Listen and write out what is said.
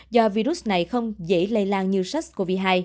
do virus này không dễ lây lan như sars cov hai